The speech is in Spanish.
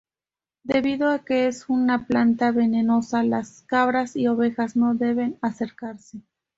Debido a que es una planta venenosa, las cabras y ovejas no deben acercarse.